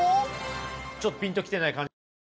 ちょっとピンと来てない感じですね。